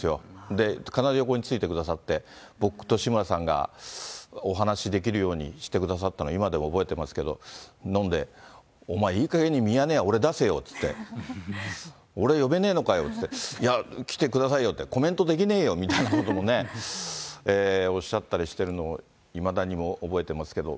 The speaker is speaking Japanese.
で、必ず横に付いてくださって、僕と志村さんがお話できるようにしてくださったのを今でも覚えてますけれども、飲んで、お前、いいかげん、ミヤネ屋、俺出せよ！って言って、俺、呼べねえのかよって言って、いや、来てくださいよって、コメントできねえよみたいなこともね、おっしゃったりしてるのを、いまだに覚えてますけど。